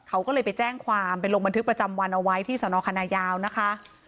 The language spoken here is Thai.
เขาก็เลยไปแจ้งความไปลงบันทึกประจำวันเอาไว้ที่สนคณะยาวนะคะ